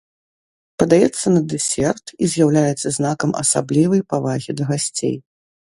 Падаецца на дэсерт і з'яўляецца знакам асаблівай павагі да гасцей.